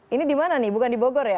ini dimana nih bukan di bogor ya